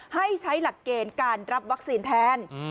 ให้ใช้หลักเกณฑ์การรับวัคซีนแทน